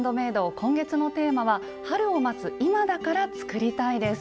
今月のテーマは「春を待つ今だから作りたい」です。